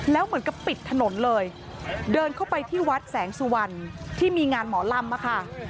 แล้วเหมือนกับปิดถนนเลยเดินเข้าไปที่วัดแสงสุวรรณที่มีงานหมอลำมาค่ะ